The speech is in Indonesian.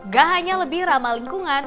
gak hanya lebih ramah lingkungan